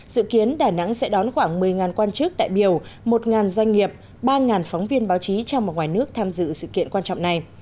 dự kiến đà nẵng sẽ đón khoảng một mươi quan chức đại biểu một doanh nghiệp ba phóng viên báo chí trong và ngoài nước tham dự sự kiện quan trọng này